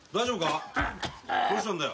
どうしたんだよ？